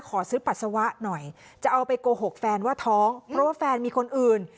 ขอซื้อปัสสาวะหน่อยจะเอาไปโกหกแฟนว่าท้องเพราะว่าแฟนมีคนอื่น